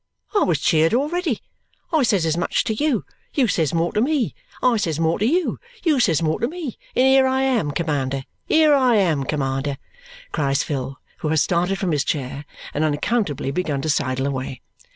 I was cheered already! I says as much to you, you says more to me, I says more to you, you says more to me, and here I am, commander! Here I am, commander!" cries Phil, who has started from his chair and unaccountably begun to sidle away.